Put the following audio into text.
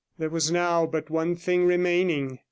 There was now but one thing remaining.